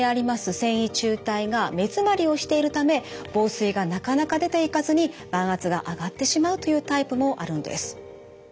線維柱帯が目づまりをしているため房水がなかなか出ていかずに眼圧が上がってしまうというタイプもあるんです。